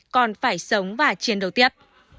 còn phải sống và chiến đấu tiếp